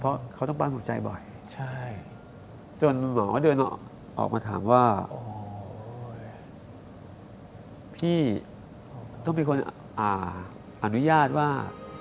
เพราะเขาต้องป้าช่องใจบ่อยจนหมอเดินออกมาถามว่าพี่ต้องมีคนอนุญาตว่า